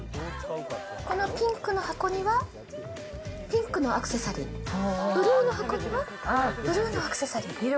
このピンクの箱にはピンクのアクセサリー、ブルーの箱にはブルーのアクセサリー。